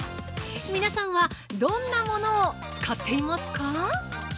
皆さんはどんなものを使っていますか？